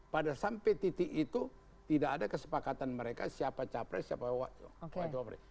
pada sampai titik itu tidak ada kesepakatan mereka siapa capres siapa cawapres